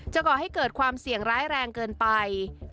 ก่อให้เกิดความเสี่ยงร้ายแรงเกินไป